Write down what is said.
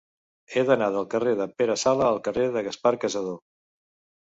He d'anar del carrer de Pere Sala al carrer de Gaspar Cassadó.